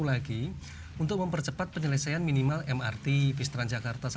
lagi untuk mempercepat penyelesaian minimal mrt pistran jakarta sampai lima belas korinthian